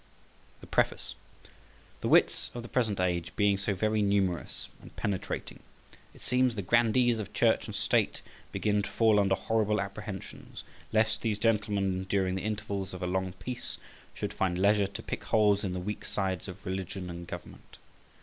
THE PREFACE. THE wits of the present age being so very numerous and penetrating, it seems the grandees of Church and State begin to fall under horrible apprehensions lest these gentlemen, during the intervals of a long peace, should find leisure to pick holes in the weak sides of religion and government.